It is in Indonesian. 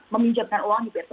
meminjamkan uang di pihak pihak